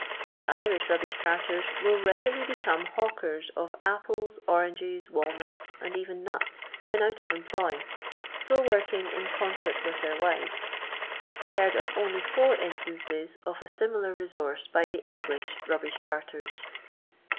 The Irish rub bish carters will readily became hawkers of I Apples, oranges, walnuts, and even nuts, when out of employ, so working in concert with their wives. I heanl oi only four instances of a similar resource by the English rubbish carters.